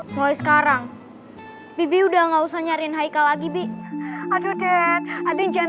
mulai sekarang bibi udah nggak usah nyariin haikal lagi bi aduh jangan